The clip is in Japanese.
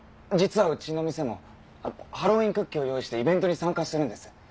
実はうちの店もハロウィンクッキーを用意してイベントに参加するんです。